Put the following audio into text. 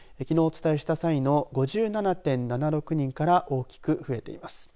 きのうお伝えした際の８０．４１人から増えています。